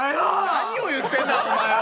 何を言ってんだ、おまえは！